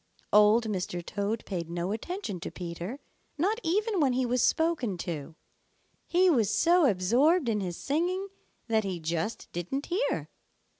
Old Mr. Toad paid no attention to Peter, not even when he was spoken to. He was so absorbed in his singing that he just didn't hear.